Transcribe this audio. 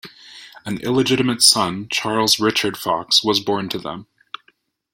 An illegitimate son, Charles Richard Fox, was born to them.